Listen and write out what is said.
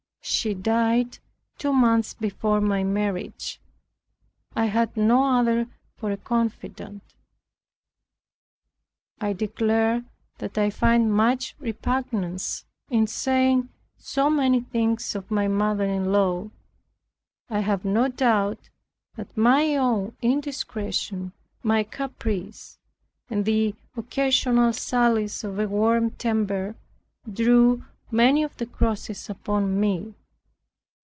She died two months before my marriage. I had no other for a confidant. I declare, that I find much repugnance in saying so many things of my mother in law. I have no doubt that my own indiscretion, my caprice, and the occasional sallies of a warm temper, drew many of the crosses upon me.